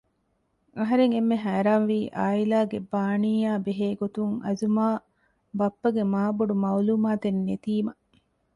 އަހަރެން އެންމެ ހައިރާންވީ އާއިލާގެ ބާނީއާ ބެހޭ ގޮތުން އަޒުމާ ބައްޕަގެ މާބޮޑު މައުލޫމާތެއް ނެތީމަ